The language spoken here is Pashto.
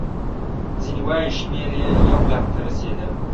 ځینې وایي شمېر یې یو لک ته رسېده.